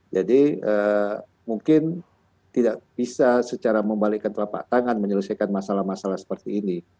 jadi mungkin tidak bisa secara membalikkan telapak tangan menyelesaikan masalah masalah seperti ini